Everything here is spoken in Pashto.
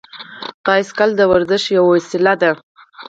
بایسکل د ورزش یوه ښه وسیله ده.